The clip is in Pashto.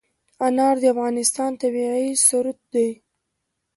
انار د افغانستان طبعي ثروت دی.